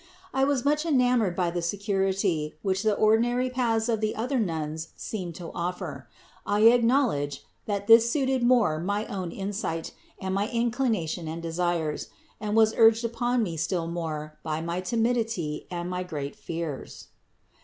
I was much enamoured by the security, which the ordinary paths of the other nuns seemed to offer; I acknowledge, that this suited more my own insight and my inclination and desires, and was urged upon me still more by my timidity and my great fears.